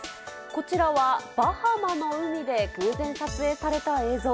こちらはバハマの海で偶然撮影された映像。